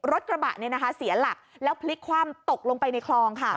รถกระบะเสียหลักแล้วพลิกคว่ำตกลงไปในคลองค่ะ